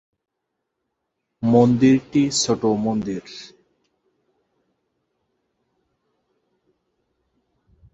মন্দিরটি ছোটো মন্দির।